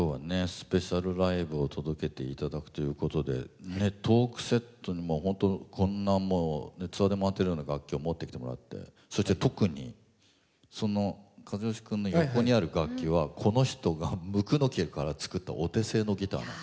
スペシャルライブを届けていただくということでトークセットにもほんとこんなもうツアーでまわってるような楽器を持ってきてもらってそして特にその和義君の横にある楽器はこの人がムクノキから作ったお手製のギターなの。